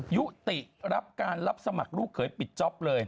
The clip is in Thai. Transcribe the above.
ยุติรับการรับสมัครลูกเขยปิดจ๊อปเลย